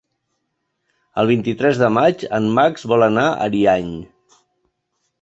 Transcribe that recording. El vint-i-tres de maig en Max vol anar a Ariany.